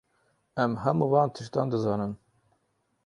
Em hemû van tiştan dizanin.